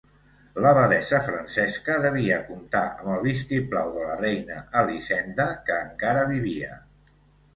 L'abadessa Francesca devia comptar amb el vistiplau de la reina Elisenda, que encara vivia.